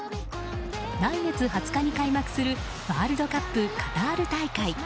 来月２０日に開幕するワールドカップカタール大会。